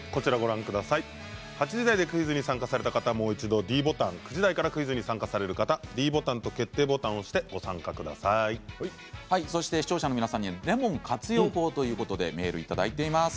８時台でクイズに参加した方は、もう一度ｄボタン９時台からご参加される方はｄボタンと決定ボタンを押して視聴者の皆さんにレモン活用法のメールをいただいています。